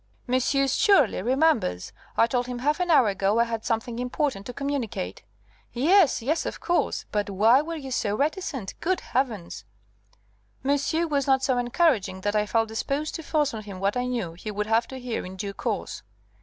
"Monsieur surely remembers. I told him half an hour ago I had something important to communicate " "Yes, yes, of course. But why were you so reticent. Good Heavens!" "Monsieur was not so encouraging that I felt disposed to force on him what I knew he would have to hear in due course."